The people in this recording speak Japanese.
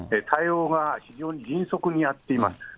対応が非常に迅速にやっています。